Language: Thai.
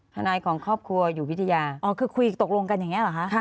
ทนายของครอบครัวอยู่วิทยาอ๋อคือคุยตกลงกันอย่างนี้เหรอคะ